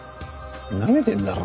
なめてんだろ？